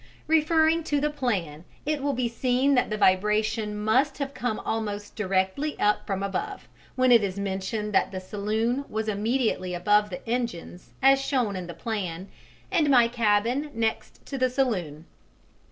Referring to the plan, [Footnote: See Figure 2, page 116.] it will be seen that the vibration must have come almost directly up from below, when it is mentioned that the saloon was immediately above the engines as shown in the plan, and my cabin next to the saloon.